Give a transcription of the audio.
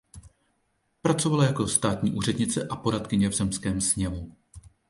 Pracovala jako státní úřednice a poradkyně v Zemském sněmu.